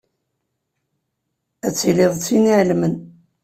Ad tiliḍ d tin iɛelmen.